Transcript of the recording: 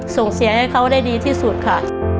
ส่งเสียให้เขาได้ดีที่สุดค่ะ